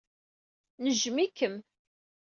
Nejjem-ikem.